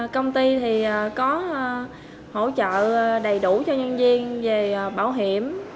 công ty thì có hỗ trợ đầy đủ cho nhân viên về bảo hiểm